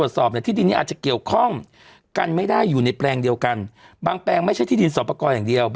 วันที่ที่ฉันไปล่าสุดเนี่ยเกาะดอนแก้ว